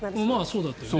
そうだったよね。